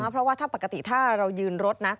เพราะว่าถ้าปกติถ้าเรายืนรถนะ